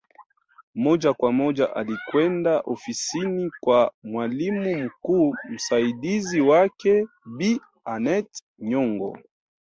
Moja kwa moja alikwenda ofisini kwa mwalimu mkuu msaidizi wake Bi Aneth Nyongo